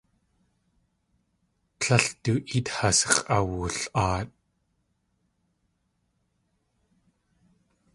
Tlél du éet has x̲ʼawul.aat.